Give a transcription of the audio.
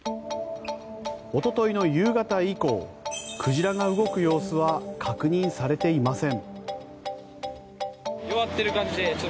おとといの夕方以降鯨が動く様子は確認されていません。